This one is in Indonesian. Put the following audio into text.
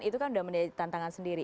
itu kan sudah menjadi tantangan sendiri